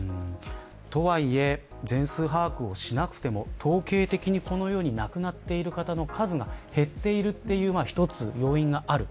とはいえ全数把握をしなくても統計的に亡くなっている方の数が減っているという１つ要因がある。